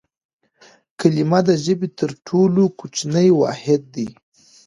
کلیمه د ژبي تر ټولو کوچنی واحد دئ.